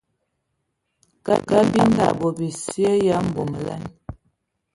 Kabinda a bɔ bisye ya mbomolan.